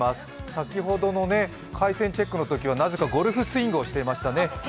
先ほどの回線チェックのときはなぜかゴルフスイングをしていましたね。